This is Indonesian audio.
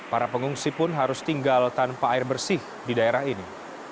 para pengungsi pun harus tinggal tanpa air bersih di daerah ini